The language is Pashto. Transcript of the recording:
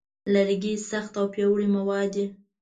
لرګی سخت او پیاوړی مواد دی.